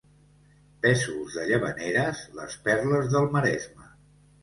Pèsols de Llavaneres, les perles del Maresme.